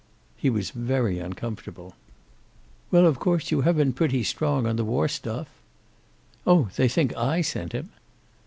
He was very uncomfortable. "Well, of course, you have been pretty strong on the war stuff?" "Oh, they think I sent him!"